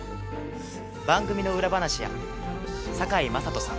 番組の裏話や堺雅人さん